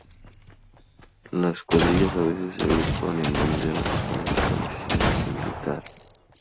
Las cuadrillas a veces se agrupaban en banderas, con una organización casi militar.